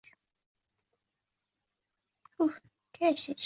Allí se representan una mezcla de animales reales e imaginarios.